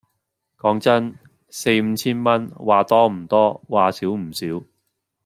講真，四五千蚊，話多唔多話少唔少